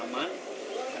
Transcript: ada aman listing